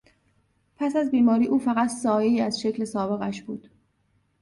پس از بیماری او فقط سایهای از شکل سابقش بود.